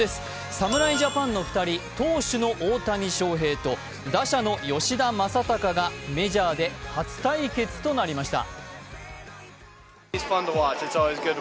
侍ジャパンの２人、投手の大谷翔平と打者の吉田正尚がメジャーで初対決となりました。